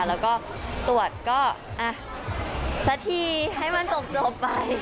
แล้วก็ตรวจก็สักทีให้มันจบไป